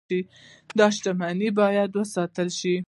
دا شتمني باید وساتو.